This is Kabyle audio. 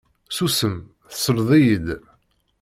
Susem, tesleḍ-iyi-d.